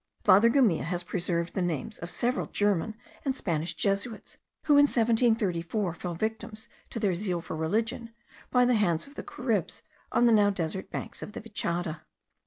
Father Gumilla has preserved the names of several German and Spanish Jesuits, who in 1734 fell victims to their zeal for religion, by the hands of the Caribs on the now desert banks of the Vichada.